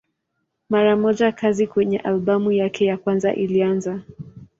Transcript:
Mara moja kazi kwenye albamu yake ya kwanza ilianza.